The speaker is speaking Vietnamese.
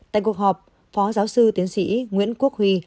tại cuộc họp phó giáo sư tiến sĩ nguyễn quốc huy